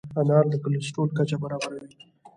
انار د کولیسټرول کچه برابروي.